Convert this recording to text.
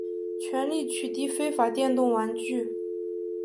全力取缔非法电动玩具